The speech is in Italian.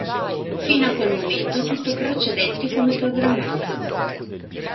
Fino a quel momento tutto procedette come programmato.